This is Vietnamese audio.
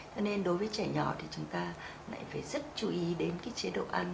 cho nên đối với trẻ nhỏ thì chúng ta lại phải rất chú ý đến cái chế độ ăn